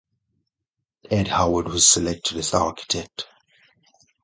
Ed Howard was selected as the architect.